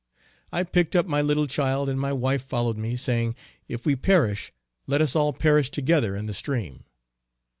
I picked up my little child, and my wife followed me, saying, "if we perish let us all perish together in the stream."